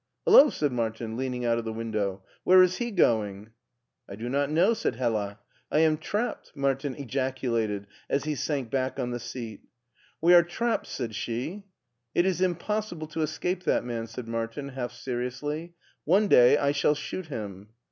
" Hullo f " said Martin, leaning out of the window, where is he going? '* I do not know," said Hella. " I am trapped," Martin ejaculated, as he sank back on the seat. " We are trapped," said she. " It is impossible to escape that man," said Martin, half seriously. " One day I shall shoot him."